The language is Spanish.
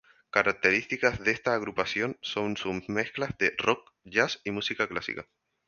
Características de esta agrupación son sus mezclas de "rock", "jazz" y música clásica.